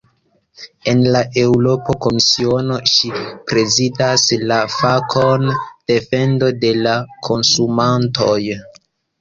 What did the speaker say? En la Eŭropa Komisiono, ŝi prezidas la fakon "defendo de la konsumantoj".